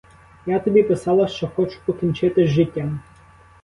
Я тобі писала, що хочу покінчити з життям.